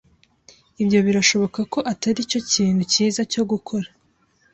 Ibyo birashoboka ko atari cyo kintu cyiza cyo gukora.